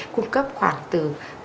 cung cấp khoảng từ